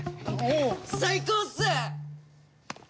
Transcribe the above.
最高っす！